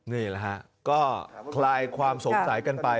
นี่แหละฮะก็คลายความสงสัยกันไป